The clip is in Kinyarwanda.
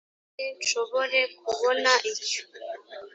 nanjye nshobore kubona icyo